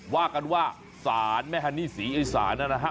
ว่ากันว่าสารแม่ฮันนี่ศรีอีสานนะฮะ